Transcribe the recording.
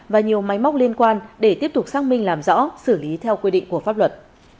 và nhiều máy móc liên quan để tiếp tục xác minh làm rõ xử lý theo quy định của pháp luật